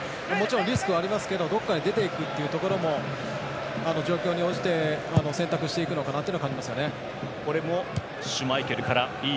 リスクはありますけどどこかで出て行くことも状況に応じて選択していくのかなと感じます。